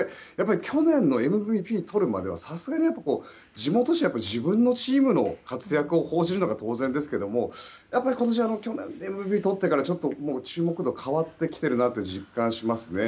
去年のＭＶＰをとるまではさすがに地元紙は自分のチームの活躍を報じるのが当然ですけども今年は去年ＭＶＰをとってからちょっと注目度が変わってきているなと実感しますね。